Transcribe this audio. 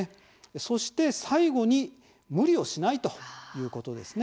そして最後に無理をしないということですね。